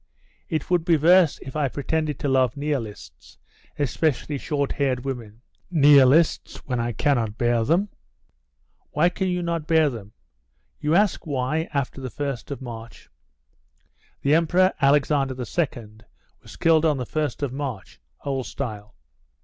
It would be worse if I pretended to love Nihilists, especially short haired women Nihilists, when I cannot bear them." "Why can you not bear them?" "You ask why, after the 1st of March?" [The Emperor Alexander II was killed on the first of March, old style.